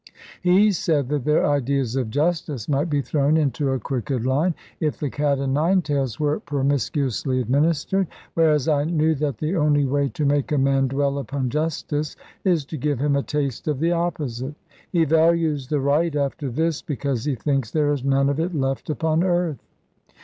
He said that their ideas of justice might be thrown into a crooked line, if the cat and nine tails were promiscuously administered. Whereas I knew that the only way to make a man dwell upon justice is to give him a taste of the opposite. He values the right after this, because he thinks there is none of it left upon earth.